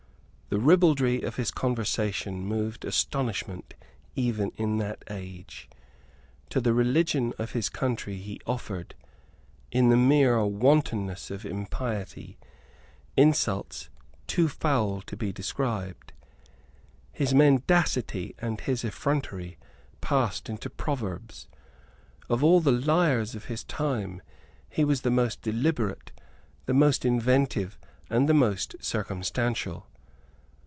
The ribaldry of his conversation moved astonishment even in that age. To the religion of his country he offered, in the mere wantonness of impiety, insults too foul to be described. His mendacity and his effrontery passed into proverbs. Of all the liars of his time he was the most deliberate, the most inventive and the most circumstantial.